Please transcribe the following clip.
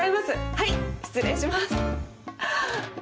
はい失礼します。